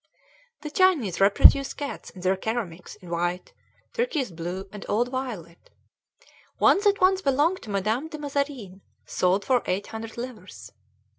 The Chinese reproduce cats in their ceramics in white, turquoise blue, and old violet. One that once belonged to Madame de Mazarin sold for eight hundred livres.